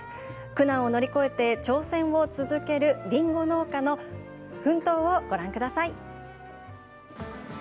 苦難を乗り越えて挑戦を続けるりんご農家の取り組み、奮闘をご覧ください。